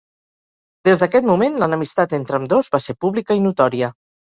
Des d'aquest moment, l'enemistat entre ambdós va ser pública i notòria.